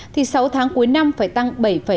thì sáu tháng cuối năm phải tăng bảy bốn mươi hai